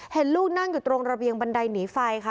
เห็นลูกนั่งอยู่ตรงระเบียงบันไดหนีไฟค่ะ